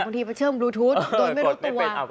บางทีไปเชื่อมบลูทูธโดยไม่รู้ตัว